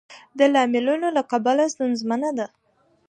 د لاملونو له کبله ستونزمنه ده.